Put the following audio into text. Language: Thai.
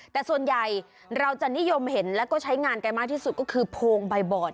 แต่ส่วนใหญ่เราจะนิยมเห็นแล้วก็ใช้งานกันมากที่สุดก็คือโพงใบบอด